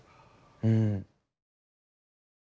うん。